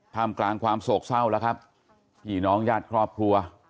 มกลางความโศกเศร้าแล้วครับพี่น้องญาติครอบครัว